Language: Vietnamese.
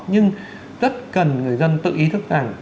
nhưng rất cần người dân tự ý thức rằng